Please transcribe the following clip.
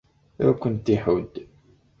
Ad kent-iḥudd.